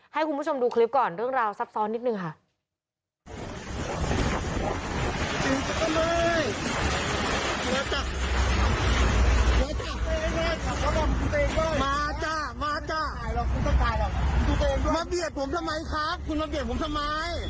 ให้คุณผู้ชมดูคลิปก่อนเรื่องราวซับซ้อนนิดนึงค่ะ